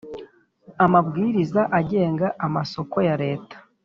Amabwiriza agenga amasoko ya leta